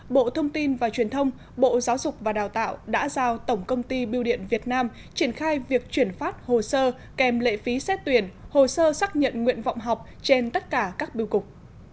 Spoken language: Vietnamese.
bộ thông tin và truyền thông bộ giáo dục và đào tạo đã giao tổng công ty biêu điện việt nam triển khai việc chuyển phát hồ sơ kèm lệ phí xét tuyển hồ sơ xác nhận nguyện vọng học trên tất cả các biêu cục